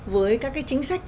với các cái chính sách